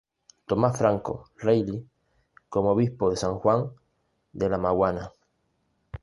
Tomás Francisco Reilly como obispo de San Juan de la Maguana.